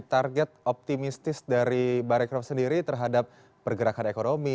target optimistis dari barekraf sendiri terhadap pergerakan ekonomi